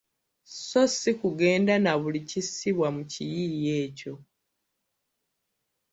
Sso si kugenda na buli kissibbwa mu kiyiiye ekyo.